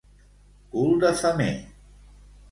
Cul de femer.